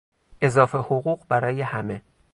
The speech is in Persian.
اضافه حقوق برای همه